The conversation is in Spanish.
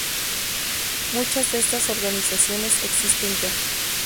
Muchas de estas organizaciones existen ya.